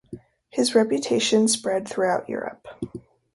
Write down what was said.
His reputation spread throughout Europe.